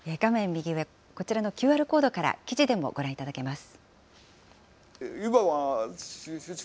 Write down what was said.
右上、こちらのＱＲコードから、記事でもご覧いただけます。